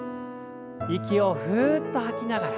息をふっと吐きながら。